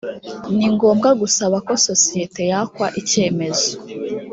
ni ngombwa gusabako sosiyete yakwa icyemezo